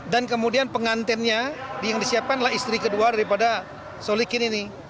dan kemudian pengantinnya yang disiapkan adalah istri kedua daripada solikin ini